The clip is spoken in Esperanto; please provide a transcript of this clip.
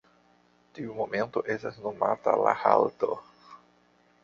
Tiu momento estas nomata la halto.